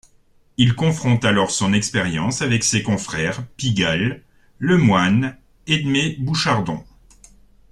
Il confronte alors son expérience avec ses confrères Pigalle, Lemoyne, Edmé Bouchardon.